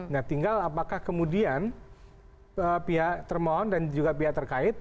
nah tinggal apakah kemudian pihak termohon dan juga pihak terkait